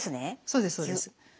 そうですそうです。